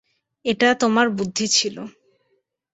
এটা তোমার বুদ্ধি ছিল।